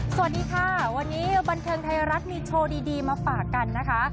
สวัสดีค่ะวันนี้บันเทิงไทยรัฐมีโชว์ดีมาฝากกันนะคะ